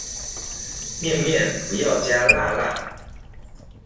麵麵不要加辣辣